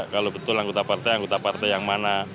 kalau betul anggota partai anggota partai yang mana